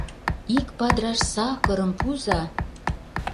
— Ик падыраш са-а-кырым пуыза...